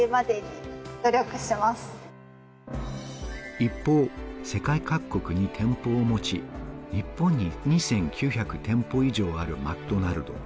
一方、世界各国に店舗を持ち、日本に２９００店舗以上あるマクドナルド。